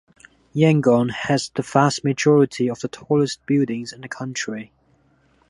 Yangon has the vast majority of the tallest buildings in the country.